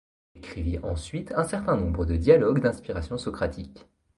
Il écrivit ensuite un certain nombre de dialogue d’inspiration socratique.